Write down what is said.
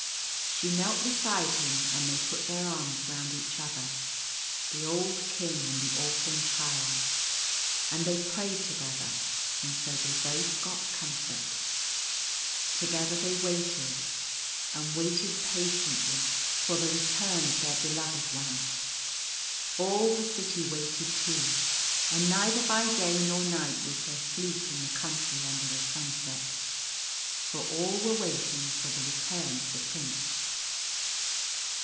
She knelt beside him, and they put their arms round each other — the old King and the orphan child — and they prayed together ; and so they both got com fort. Together they waited, and waited patiently, for the The Living Things flee. 33 return of their beloved one. All the city waited too ; and neither by day nor night was there sleep in the Country Under the Sunset, for all were waiting for the return of the Prince.